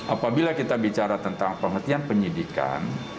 apabila kita bicara tentang pengertian penyidikan